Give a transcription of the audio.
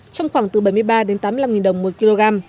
trong khoảng từ bảy mươi ba đến tám mươi năm đồng một kg